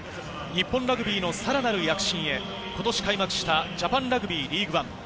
日本ラグビーのさらなる躍進へ、今年開幕したジャパンラグビー・リーグワン。